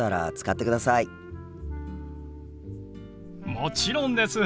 もちろんです。